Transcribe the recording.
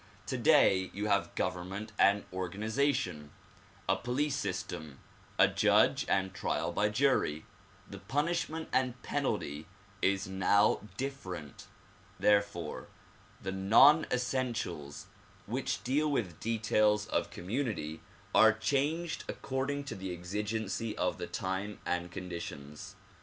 Today you have government and organization, a police system, a judge and trial by jury. The punishment and penalty is now different. Therefore the non essentials which deal with details of community are changed according to the exigency of the time and conditions.